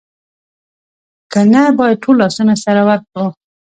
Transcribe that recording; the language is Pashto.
که نه باید ټول لاسونه سره ورکړو